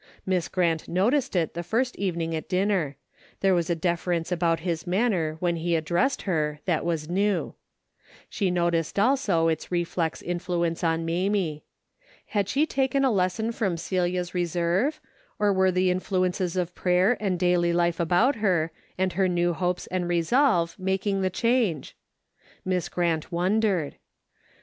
Miss Grant noticed it the first evening at din ner. There was a deference about his manner when he addressed her that was ne^v. She noticed also its reflex influence on Mamie. Had she taken a lesson from Celia's reserve, or were the influences of prayer and daily life about her, and her new hopes and resolves making the change ? Miss Grant wondered.